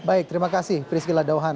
baik terima kasih prisky ladauhan